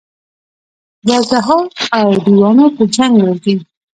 د اژدها او دېوانو په جنګ ورځي.